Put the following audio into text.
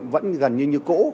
vẫn gần như như cũ